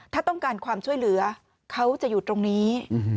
ถ้าต้องการความช่วยเหลือเขาจะอยู่ตรงนี้